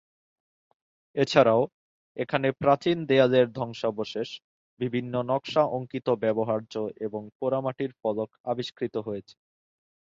এছাড়াও, এখানে প্রাচীন দেয়ালের ধ্বংসাবশেষ, বিভিন্ন নকশা অঙ্কিত ব্যবহার্য এবং পোড়া মাটির ফলক আবিষ্কৃত হয়েছে।